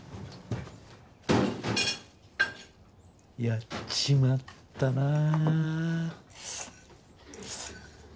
やっちまったなあ。